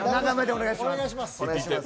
お願いします。